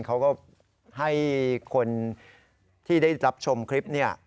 เขาก็ให้คนที่ได้รับชมคลิปนี้